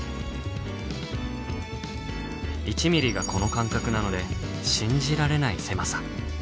１ミリがこの間隔なので信じられない狭さ。